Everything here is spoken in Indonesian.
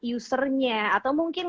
usernya atau mungkin